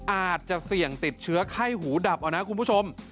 อาจจะเสี่ยงติดเชื้อไข้หูดับเอานะคุณผู้ชม